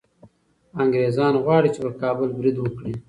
انګریزان غواړي چي پر کابل برید وکړي.